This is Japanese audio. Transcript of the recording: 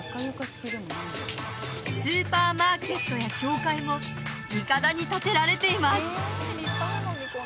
スーパーマーケットや教会もいかだに建てられています